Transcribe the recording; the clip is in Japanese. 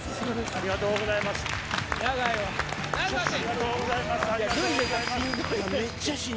ありがとうございます。